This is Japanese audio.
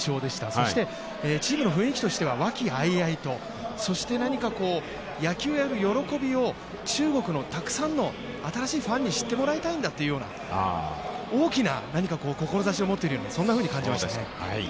そしてチームの雰囲気としては和気あいあいと、そして何か野球をやる喜びを中国のたくさんの新しいファンに知ってもらいたいんだというような、大きな志を持っているように感じましたね。